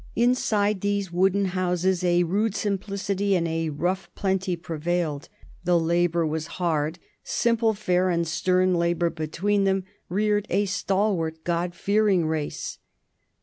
Inside those wooden houses a rude simplicity and a rough plenty prevailed. The fare was simple; the labor was hard; simple fare and stern labor between them reared a stalwart, God fearing race.